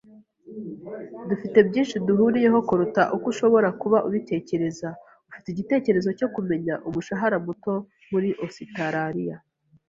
Dufite byinshi duhuriyeho kuruta uko ushobora kuba ubitekereza. Ufite igitekerezo cyo kumenya umushahara muto muri Ositaraliya?